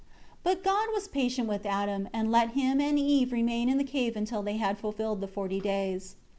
10 But God had patience with Adam, and let him and Eve remain in the cave until they had fulfilled the forty days.